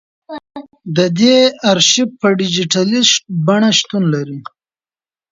د دې ارشیف په ډیجیټلي بڼه شتون لري.